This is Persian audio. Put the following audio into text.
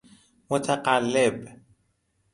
متقلب